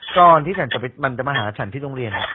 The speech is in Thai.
ตอนที่ฉันมันจะมาหาฉันที่โรงเรียน